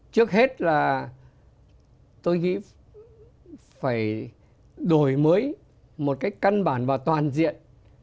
trước hết là tôi nghĩ phải đổi mới một cách căn bản và toàn diện